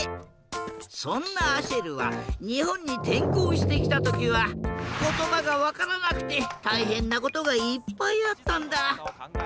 そんなアシェルはにほんにてんこうしてきたときはことばがわからなくてたいへんなことがいっぱいあったんだ。